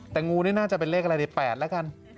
แต่งูนี่น่าจะเป็นเลขอะไรใน๘แล้วกัน